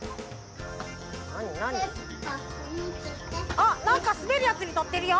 あなんかすべるやつにのってるよ。